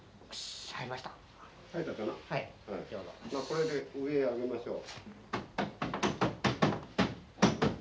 これで上へ上げましょう。